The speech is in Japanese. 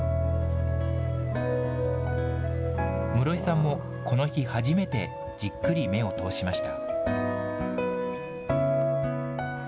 室井さんも、この日初めてじっくり目を通しました。